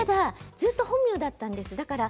ずっと本名だったんです。